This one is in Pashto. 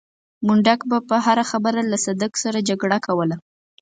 منډک به پر هره خبره له صدک سره جګړه کوله.